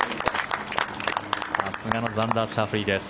さすがのザンダー・シャフリーです。